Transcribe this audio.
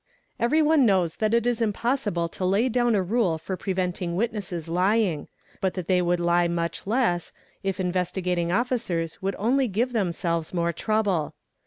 ba Everyone knows that it is impossible to lay down a rule for prevent ing witnesses lying, but that they would lie much less, if Investigating 7 Officers would only give themselves more trouble.